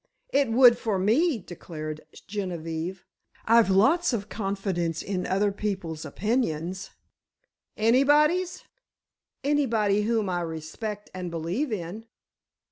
"It would for me," declared Genevieve. "I've lots of confidence in other people's opinions——" "Anybody's?" "Anybody whom I respect and believe in."